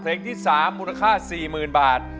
เพลงที่๓มูลค่า๔๐๐๐บาท